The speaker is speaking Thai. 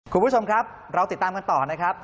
คุณผู้ชมครับเราติดตามกันต่อนะครับ